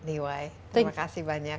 diwai terima kasih banyak